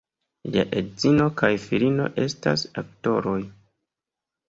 Lia edzino kaj filino estas aktoroj.